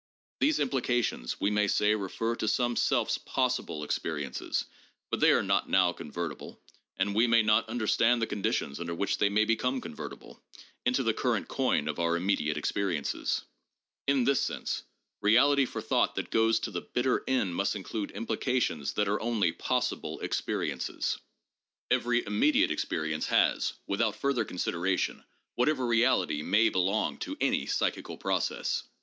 These implications, we may say, refer to some self's possible experi ences, but they are not now convertible, and we may not understand the conditions under which they may become convertible, into the current coin of our immediate experiences. In this sense, reality for thought that goes to the bitter end must include implications that are only 'possible' experiences. Every immediate experience has, without further consideration, whatever reality may belong to any psychical process.